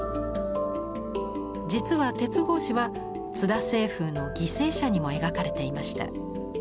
実は鉄格子は津田青楓の「犠牲者」にも描かれていました。